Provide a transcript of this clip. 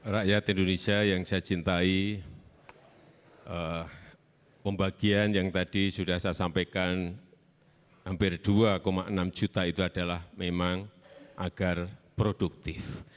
rakyat indonesia yang saya cintai pembagian yang tadi sudah saya sampaikan hampir dua enam juta itu adalah memang agar produktif